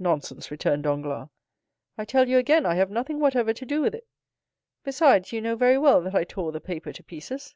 "Nonsense," returned Danglars, "I tell you again I have nothing whatever to do with it; besides, you know very well that I tore the paper to pieces."